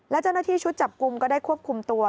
และเจ้าหน้าที่ชุดจับกลุ่มก็ได้ควบคุมตัว